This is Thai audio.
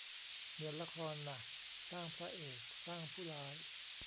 เหมือนละครน่ะ สร้างพระเอก สร้างผู้ร้าย